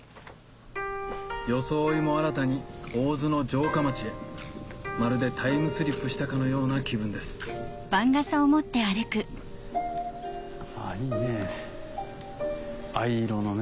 装いも新たに大洲の城下町へまるでタイムスリップしたかのような気分ですいいね藍色のね。